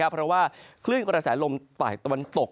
เพราะว่าคลื่นกระแสลมฝ่ายตะวันตก